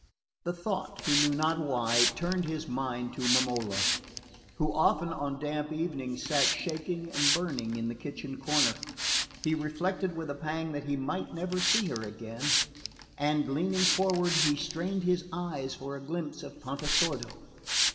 The thought, he knew not why, turned his mind to Momola, who often on damp evenings sat shaking and burning in the kitchen corner. He reflected with a pang that he might never see her again, and leaning forward he strained his eyes for a glimpse of Pontesordo.